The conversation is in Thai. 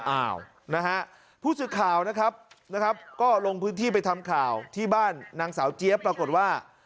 อ้าวนะฮะผู้สื่อข่าวนะครับนะครับก็ลงพื้นที่ไปทำข่าวที่บ้านนางสาวเจี๊ยบปรากฏว่า